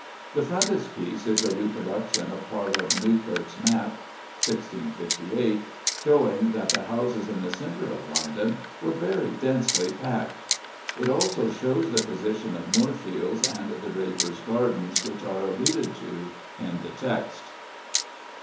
The frontispiece is a reproduction of part of Newcourt's map (1658) showing that the houses in the centre of London were very densely packed. It also shows the position of Moorfields, and the Drapers' Garden, which are alluded to in the text.